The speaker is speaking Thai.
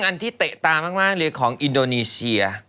อันที่เตะตามากเลยของอินโดนีเชีย